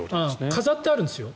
飾ってあるんですよ。